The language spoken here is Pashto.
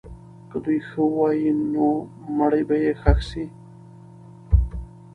که دوی ښه ووایي، نو مړی به یې ښخ سي.